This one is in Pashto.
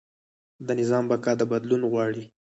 د نظام بقا دا بدلون غواړي.